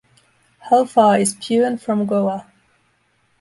How far is Pune from Goa?